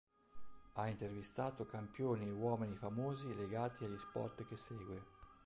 Ha intervistato campioni e uomini famosi legati agli sport che segue.